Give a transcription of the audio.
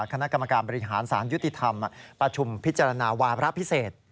คณะกรรมการบริหารสารยุติธรรมประชุมพิจารณาวาระพิเศษ